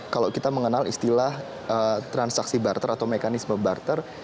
kalau kita mengenal istilah transaksi barter atau mekanisme barter